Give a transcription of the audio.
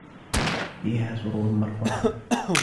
فيها سرر مرفوعة